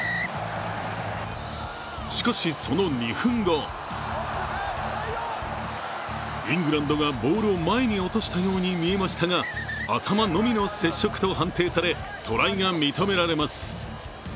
しかし、その２分後イングランドがボールを前に落としたように見えましたが、頭のみの接触と判定され、トライが認められます。